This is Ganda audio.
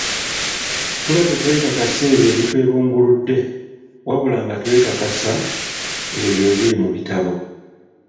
Tuba tetwekakasa ebyo ebitwebunguludde, wabula nga twekakasa ebyo ebiri mu bitabo.